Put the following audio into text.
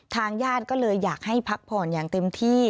ทางญาติก็เลยอยากให้พักผ่อนอย่างเต็มที่